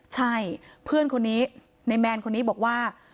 ใช่เพื่อนคนนี้ในแมนคนนี้บอกว่า